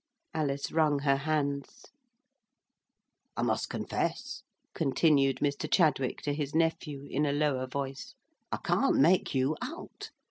Alice wrung her hands. "I must confess," continued Mr. Chadwick to his nephew, in a lower voice, "I can't make you out.